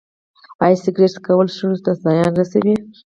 ایا سګرټ څکول سږو ته زیان رسوي